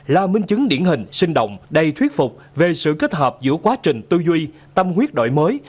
là minh chứng điển hình sinh động đầy thuyết phục về sự kết hợp giữa quá trình tư duy tâm quyết đổi mới